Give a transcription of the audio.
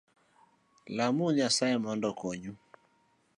Lam uru Nyasae mondo okony u